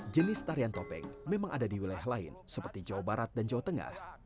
jenis tarian topeng memang ada di wilayah lain seperti jawa barat dan jawa tengah